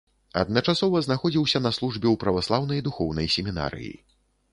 Адначасова знаходзіўся на службе ў праваслаўнай духоўнай семінарыі.